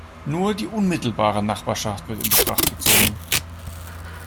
Nur die unmittelbare Nachbarschaft wird in Betracht gezogen.